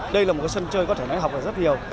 đây là một sân chơi có thể nói học ở rất nhiều